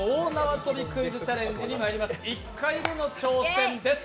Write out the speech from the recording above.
１回目の挑戦です。